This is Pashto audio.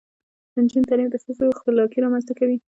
د نجونو تعلیم د ښځو خپلواکۍ رامنځته کوي.